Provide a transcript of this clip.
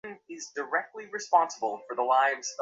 তিনি বিজয়ী হন।